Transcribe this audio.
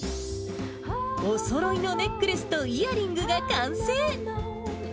おそろいのネックレスとイヤリングが完成。